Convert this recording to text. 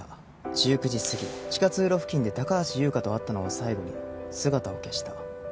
１９時過ぎ地下通路付近で高橋優花と会ったのを最後に姿を消した。